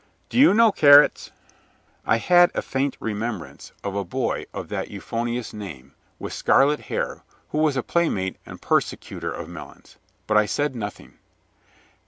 "Do you know Carrots?" I had a faint remembrance of a boy of that euphonious name, with scarlet hair, who was a playmate and persecutor of Melons. But I said nothing.